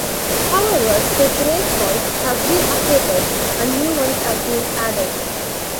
However, his race calls have been updated, and new ones have been added.